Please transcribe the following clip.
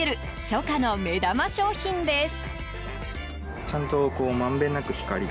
初夏の目玉商品です。